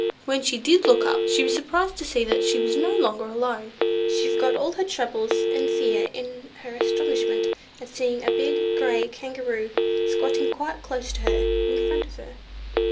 When she did look up, she was surprised to see that she was no longer alone. She forgot all her trouble and fear in her astonishment at seeing a big grey Kangaroo squatting quite close to her, in front of her.